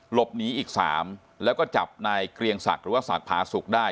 หลบหนีอีก๓แล้วก็จับนายเกรียงศักดิ์หรือว่าศักดิ์ผาสุกได้